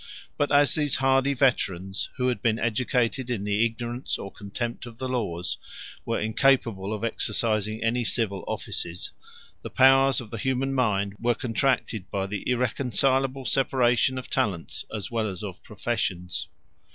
141 But as these hardy veterans, who had been educated in the ignorance or contempt of the laws, were incapable of exercising any civil offices, the powers of the human mind were contracted by the irreconcilable separation of talents as well as of professions.